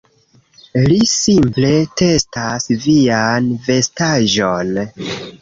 Li simple testas vian vestaĵon